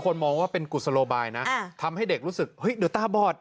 มองว่าเป็นกุศโลบายนะทำให้เด็กรู้สึกเฮ้ยเดี๋ยวตาบอด